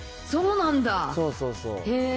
そうそうそう。